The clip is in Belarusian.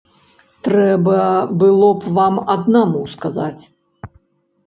Трэба было б вам аднаму сказаць.